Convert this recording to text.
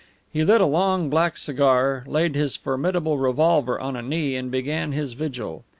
He lit a long black cigar, laid his formidable revolver on a knee, and began his vigil.